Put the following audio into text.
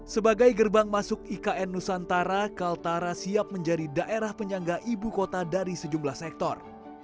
sebagai gerbang masuk ikn nusantara kaltara siap menjadi daerah penyangga ibu kota dari sejumlah sektor